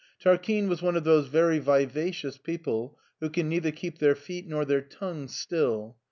Tarquine was one of those very vivacious people who can neither keep their feet nor their tongues still.